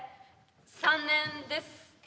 ３年です。